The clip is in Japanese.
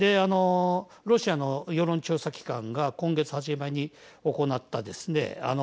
ロシアの世論調査機関が今月初めに行ったですね